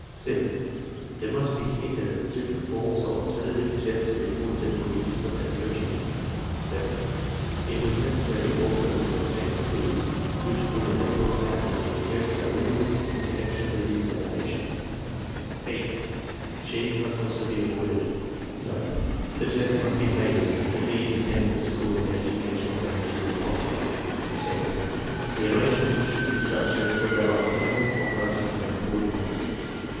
Sixth, there must be either different forms or alternative tests of equal difficulty to prevent coaching. Seventh, it was neces sary also to obtain clues which would enable examiners to detect malingering in connection with the examination. Eighth, cheat ing must also be avoided. Ninth, the test must be made ar*^ completely independent of schooling and educational advantages as possible. Tenth, the arrangement should be such as to allow a minimum of writing in recording answers.